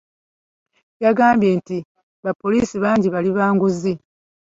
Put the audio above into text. Yagambye nti bapoliisi bangi bali ba nguzi .